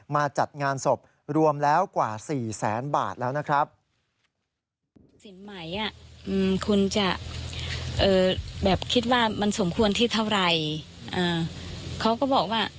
มาจัดงานศพรวมแล้วกว่า๔แสนบาทแล้วนะครับ